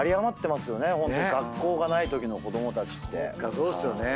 そうですよね。